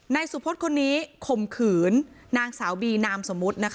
นายสุพธคนนี้ข่มขืนนางสาวบีนามสมมุตินะคะ